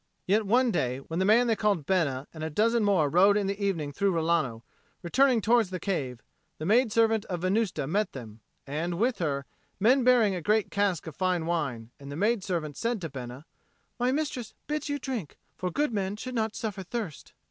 Yet one day, when the man they called Bena and a dozen more rode in the evening through Rilano, returning towards the cave, the maid servant of Venusta met them, and, with her, men bearing a great cask of fine wine, and the maid servant said to Bena, "My mistress bids you drink; for good men should not suffer thirst."